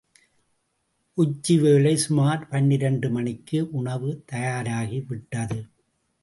உச்சி வேளை சுமார் பனிரண்டு மணிக்கு உணவு தயாராகிவிட்டது.